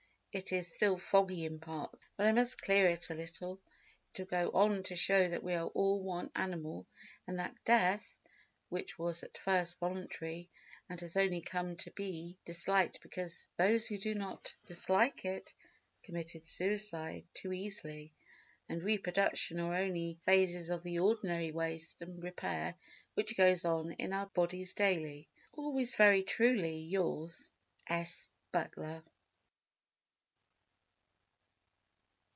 It is still foggy in parts, but I must clear it a little. It will go on to show that we are all one animal and that death (which was at first voluntary, and has only come to be disliked because those who did not dislike it committed suicide too easily) and reproduction are only phases of the ordinary waste and repair which goes on in our bodies daily. Always very truly yours, S. BUTLER.